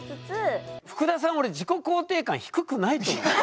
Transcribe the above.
ふくださん俺自己肯定感低くないと思う。